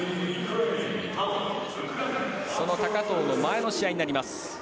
その高藤の前の試合になります。